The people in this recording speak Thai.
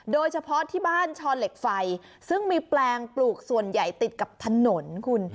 โดยเฉพาะที่บ้านชอเหล็กไฟซึ่งมีแปลงปลูกส่วนใหญ่ติดกับถนนคุณ